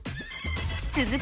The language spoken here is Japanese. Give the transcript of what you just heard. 続く